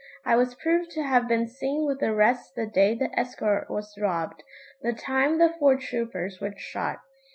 I was proved to have been seen with the rest the day the escort was robbed; the time the four troopers were shot.